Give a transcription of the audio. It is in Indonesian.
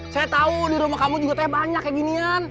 saya tahu di rumah kamu juga kayak banyak kayak ginian